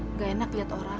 nggak enak lihat orang